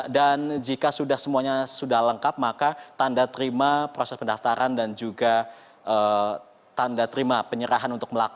dan jika semuanya sudah lengkap maka tanda terima proses pendaftaran dan juga tanda terima penyerahan untuk pendaftaran